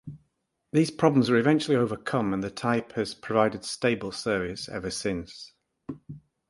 These problems were eventually overcome and the type has provided stable service ever since.